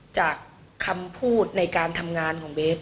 จากคำพูดในการทำงานของเบส